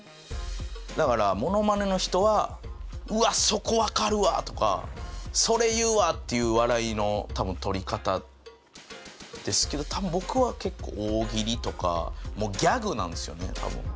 だからモノマネの人はうわそこ分かるわとかそれ言うわっていう笑いの多分とり方ですけど多分僕は結構大喜利とかもうギャグなんですよね多分。